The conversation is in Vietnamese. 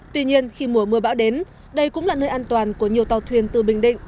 tuy nhiên khi mùa mưa bão đến đây cũng là nơi an toàn của nhiều tàu thuyền từ bình định